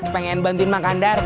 pengen bantuin mang kandar